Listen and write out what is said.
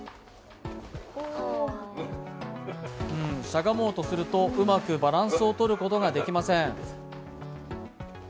しゃがもうとするとうまくバランスをとることができません。